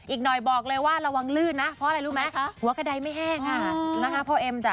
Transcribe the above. อีกหน่อยบอกเลยว่าระวังลื่นนะเพราะอะไรรู้ไหมหัวกระดายไม่แห้งค่ะนะคะพ่อเอ็มจ้